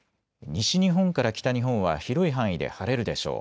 西日本から北日本は広い範囲で晴れるでしょう。